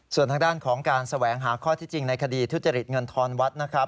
ส่วนทางด้านของการแสวงหาข้อที่จริงในคดีทุจริตเงินทอนวัดนะครับ